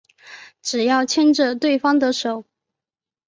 只要牵着对方的手